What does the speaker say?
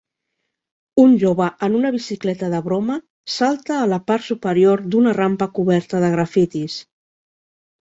Un jove en una bicicleta de broma salta a la part superior d'una rampa coberta de grafitis